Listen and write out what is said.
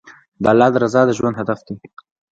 د الله رضا د ژوند هدف دی.